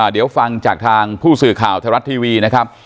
เดี๋ยวฟังจากทางผู้สื่อข่าวไทยรัฐทีวีนะครับ